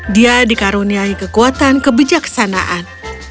dia dikaruniai kekuatan kebijaksanaan